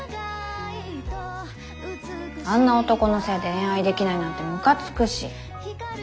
あんな男のせいで恋愛できないなんてむかつくし。